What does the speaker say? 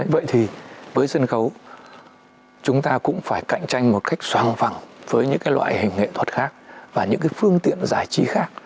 vậy thì với sân khấu chúng ta cũng phải cạnh tranh một cách soàng vẳng với những loại hình nghệ thuật khác và những phương tiện giải trí khác